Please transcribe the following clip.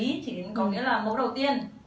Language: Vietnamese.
em dạy nhận lý chỉ có nghĩa là mẫu đầu tiên